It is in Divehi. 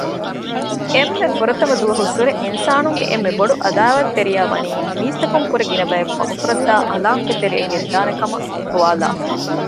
އެންމެ ފުރަތަމަ ދުވަހުއްސުރެ އިންސާނުންގެ އެންމެބޮޑު ޢަދާވާތްތެރިޔާވަނީ މީސްތަކުންކުރެ ގިނަބަޔަކު މަގުފުރައްދައި ހަލާކުގެތެރެއަށް ގެންދާނެކަމަށް ގޮވާލައިފަ